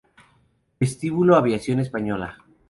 Vestíbulo Aviación Española